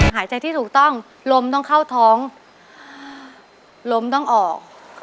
หายใจที่ถูกต้องลมต้องเข้าท้องลมต้องออก